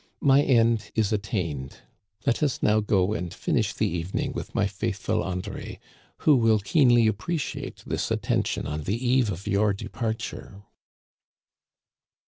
My end is attained ; let us now go and finish the evening with my faithful André, who will keenly appreciate this attention on the eve of your departure."